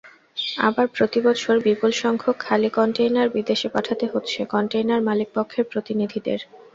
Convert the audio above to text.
আবার প্রতিবছর বিপুলসংখ্যক খালি কনটেইনার বিদেশে পাঠাতে হচ্ছে কনটেইনার মালিকপক্ষের প্রতিনিধিদের।